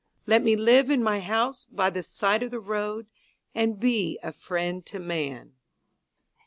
Let me live in my house by the side of the road And be a friend to man.